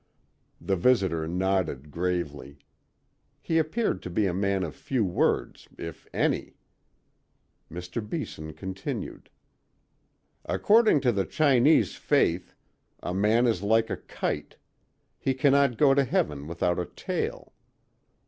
The visitor nodded gravely. He appeared to be a man of few words, if any. Mr. Beeson continued: "According to the Chinese faith, a man is like a kite: he cannot go to heaven without a tail.